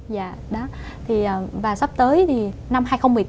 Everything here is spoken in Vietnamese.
và sắp tới thì năm hai nghìn một mươi tám